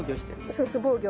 そうそう防御。